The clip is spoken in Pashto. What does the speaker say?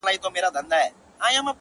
له کابله تر بنګاله یې وطن وو-